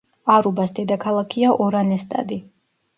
არუბას დედაქალაქია ორანესტადი.